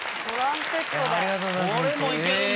ありがとうございますホント。